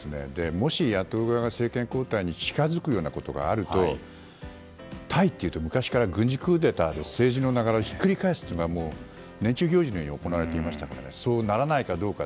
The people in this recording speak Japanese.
もし、野党側が政権交代に近づくようなことがあるとタイというと昔から軍事クーデターで政治の流れをひっくり返すというのが年中行事のように行われていましたからそうならないかどうか。